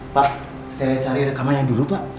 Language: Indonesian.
pak saya cari rekamannya dulu pak